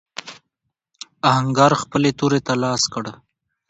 آهنګر خپلې تورې ته لاس کړ.